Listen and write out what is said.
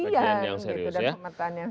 kajian yang serius ya